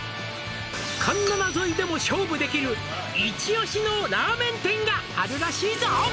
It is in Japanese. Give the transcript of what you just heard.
「環七沿いでも勝負できる」「イチオシのラーメン店があるらしいぞ」